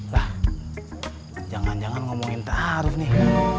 lah jangan jangan ngomongin taruh nih